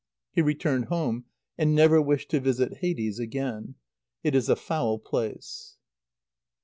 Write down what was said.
He returned home, and never wished to visit Hades again. It is a foul place.